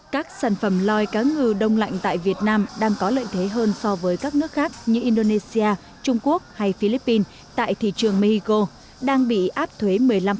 các sản phẩm lòi cá ngừ đông lạnh tại việt nam đang có lợi thế hơn so với các nước khác như indonesia trung quốc hay philippines tại thị trường mexico đang bị áp thuế một mươi năm